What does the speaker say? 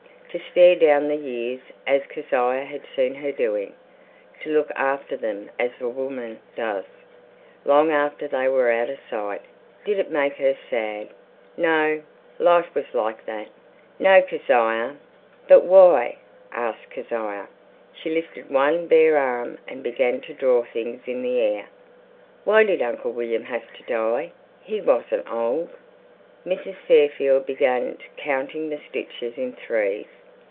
To stare down the years, as Kezia had seen her doing. To look after them as a woman does, long after they were out of sight. Did it make her sad? No, life was like that. "No, Kezia." "But why?" asked Kezia. She lifted one bare arm and began to draw things in the air. "Why did Uncle William have to die? He wasn't old." Mrs. Fairfield began counting the stitches in threes.